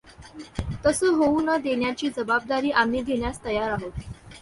तसं होऊ न देण्याची जबाबदारी आम्ही घेण्यास तयार आहोत.